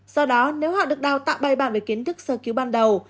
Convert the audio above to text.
do đó nếu họ được đào tạo bài bản về kiến thức sơ cứu ban đầu